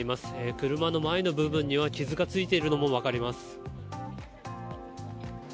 車の前の部分には傷がついているのもわかります。